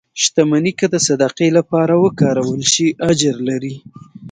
• شتمني که د صدقې لپاره وکارول شي، اجر لري.